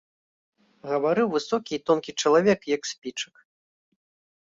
Гаварыў высокі і тонкі чалавек, як спічак.